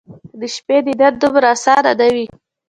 د شپې دیدن دومره اسانه ،نه وي